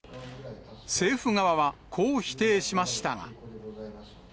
政府側は、こう否定しましたが。